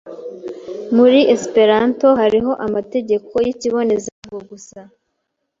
Muri Esperanto hariho amategeko yikibonezamvugo gusa